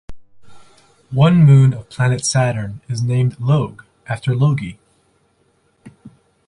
One moon of planet Saturn is named Loge after Logi.